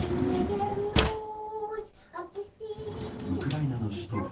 ウクライナの首都